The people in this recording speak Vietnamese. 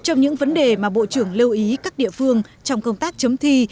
trong những vấn đề mà bộ trưởng lưu ý các địa phương trong công tác chấm thi